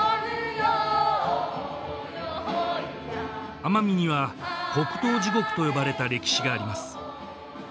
奄美には黒糖地獄と呼ばれた歴史があります